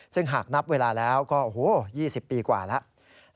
ซึ่งหากนับเวลาแล้วก็โอ้โห๒๐ปีกว่าแล้ว